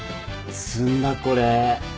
詰んだこれ。